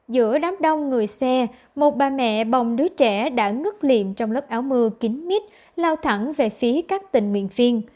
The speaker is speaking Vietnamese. giữa đám đông người xe một bà mẹ bồng đứa trẻ đã ngất liệm trong lớp áo mưa kính mít lao thẳng về phía các tình nguyện phiên